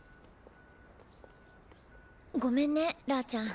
・ごめんねラーちゃん。